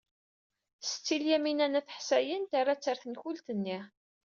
Setti Lyamina n At Ḥsayen terra-tt ɣer tenkult-nni.